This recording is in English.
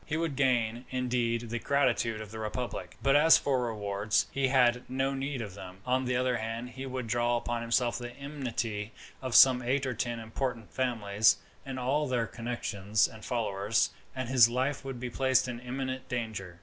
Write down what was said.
He would gain, indeed, the gratitude of the republic; but as for rewards, he had no need of them. On the other hand, he would draw upon himself the enmity of some eight or ten important families, and all their connections and followers, and his life would be placed in imminent danger.